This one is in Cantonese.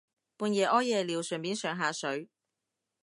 半夜屙夜尿順便上下水